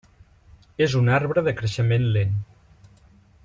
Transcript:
És un arbre de creixement lent.